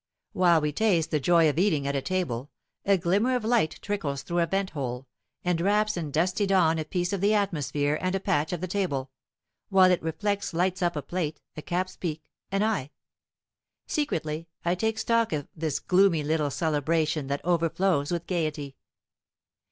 While we taste the joy of eating at a table, a glimmer of light trickles through a vent hole, and wraps in dusty dawn a piece of the atmosphere and a patch of the table, while its reflex lights up a plate, a cap's peak, an eye. Secretly I take stock of this gloomy little celebration that overflows with gayety.